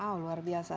wow luar biasa